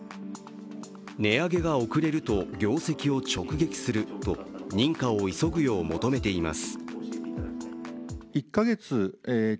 値上げが遅れると業績を直撃すると認可を急ぐよう求めています。